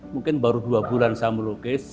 mungkin baru dua bulan saya melukis